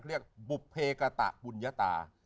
เขาเรียกบุภเพกะตะบุญยตา